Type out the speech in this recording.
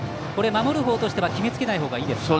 守る方としては決めつけないほうがいいですか。